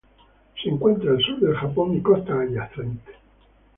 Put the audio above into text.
Se encuentra al sur del Japón y costas adyacentes.